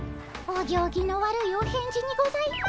お行儀の悪いお返事にございま。